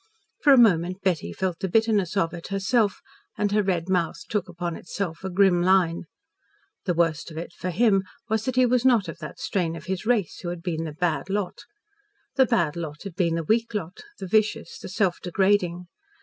For a moment Betty felt the bitterness of it herself and her red mouth took upon itself a grim line. The worst of it for him was that he was not of that strain of his race who had been the "bad lot." The "bad lot" had been the weak lot, the vicious, the self degrading.